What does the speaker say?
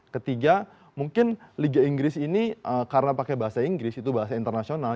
ketiga mungkin liga inggris ini karena pakai bahasa inggris itu bahasa internasional